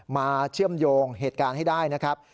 เชื่อมโยงเหตุการณ์ให้ได้นะครับ